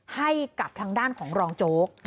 ให้กับทางด้านของรองโจ๊ก